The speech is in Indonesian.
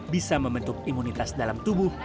bisa membentuk imunitas dalam tubuh